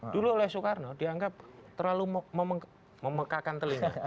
dulu oleh soekarno dianggap terlalu memekakan telinga